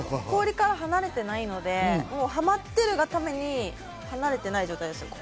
氷から離れていないので、はまっているがために、離れていない状態です。